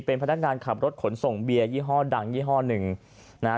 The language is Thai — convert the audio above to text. เป็นพนักงานขับรถขนส่งเบียร์ยี่ห้อดังยี่ห้อหนึ่งนะฮะ